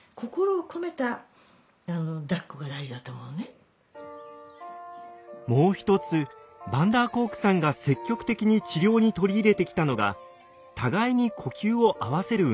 お母さんがもう一つヴァンダーコークさんが積極的に治療に取り入れてきたのが互いに呼吸を合わせる運動。